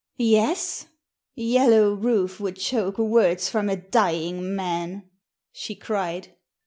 "Yes? Yellow Rufe would choke words from a dying man!" she cried.